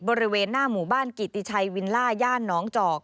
บริเวณหน้าหมู่บ้านกิติชัยวิลล่าย่านน้องจอก